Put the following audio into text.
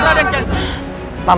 hidup raden hidup raden